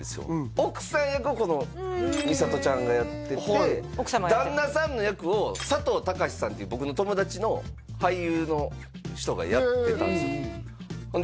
奥さん役をこのみさとちゃんがやってて旦那さんの役を佐藤貴史さんっていう僕の友達の俳優の人がやってたんですよ